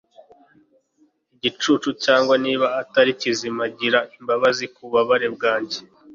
igicucu cyangwa niba atari kizima gira imbabazi kububabare bwanjye